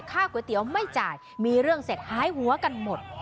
ก๋วยเตี๋ยวไม่จ่ายมีเรื่องเสร็จหายหัวกันหมด